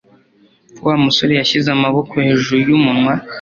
Wa musore yashyize amaboko hejuru y'umunwa.